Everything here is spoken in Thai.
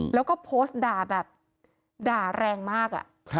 แล้วก็โพสต์ด่าแบบด่าแรงมาก